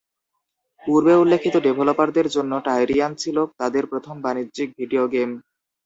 পূর্বে উল্লেখিত ডেভেলপারদের জন্য, "টাইরিয়ান" ছিল তাদের প্রথম বাণিজ্যিক ভিডিও গেম।